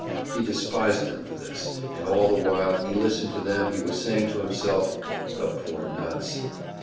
He despised them for this, and all the while he listened to them he was saying to himself, "The poor nuts!"